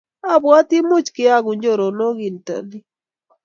abwatii much keyekun choronok kintonik.